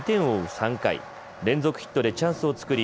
３回連続ヒットでチャンスを作り